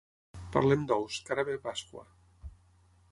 Parlem d'ous, que ara ve Pasqua.